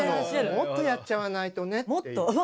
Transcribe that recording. もっとやっちゃわないと。